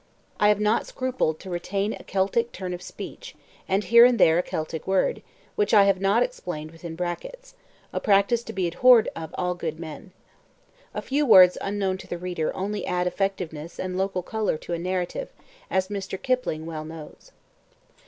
I have not scrupled to retain a Celtic turn of speech, and here and there a Celtic word, which I have not explained within brackets a practice to be abhorred of all good men. A few words unknown to the reader only add effectiveness and local colour to a narrative, as Mr. Kipling well knows.